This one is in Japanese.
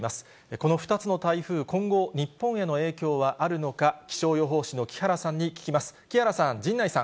この２つの台風、今後、日本への影響はあるのか、気象予報士の木原さんに聞きます。